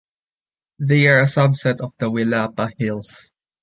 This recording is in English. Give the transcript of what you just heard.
They are a subset of the Willapa Hills.